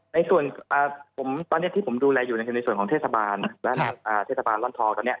ในส่วนตอนนี้ที่ผมดูแลอยู่ในส่วนของเทศบาลและเทศบาลร่อนทอตอนนี้